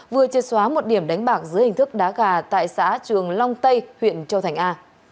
vừa triệt xóa một điểm đánh bạc dưới hình thức đá gà tại xã trường long tây huyện châu thành a